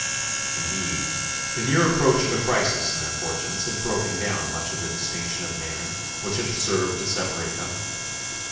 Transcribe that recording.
Indeed, the near approach of a crisis in their fortunes had broken down much of the distinction of manner which had served to separate them.